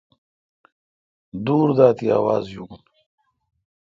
دور دا تی آواز یون۔